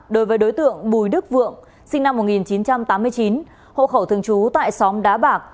đối với đối tượng bùi đức vượng sinh năm một nghìn chín trăm tám mươi chín hộ khẩu thường trú tại xóm đá bạc